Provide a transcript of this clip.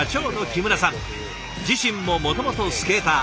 自身ももともとスケーター。